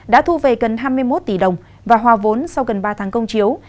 đã thu về gần hai mươi một tỷ đồng và hòa vốn sau gần ba tháng công chiếu